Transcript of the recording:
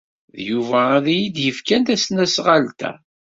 D Yuba ay iyi-d-yefkan tasnasɣalt-a.